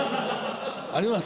あります！